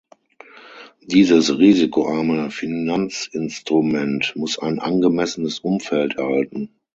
Dieses risikoarme Finanzinstrument muss ein angemessenes Umfeld erhalten.